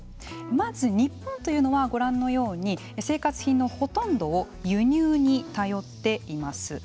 まず日本というのはご覧のように生活品のほとんどを輸入に頼っています。